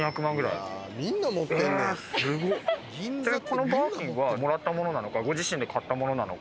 このバーキンはもらったものなのかご自身で買ったものなのか。